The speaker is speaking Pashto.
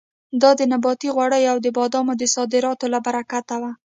دا د نباتي غوړیو او د بادامو د صادراتو له برکته وه.